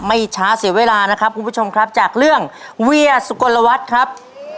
ไม่ช้าเสียเวลานะครับคุณผู้ชมครับจากเรื่องเวียสุกลวัฒน์ครับ